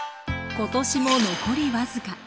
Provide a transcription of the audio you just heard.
今年も残り僅か。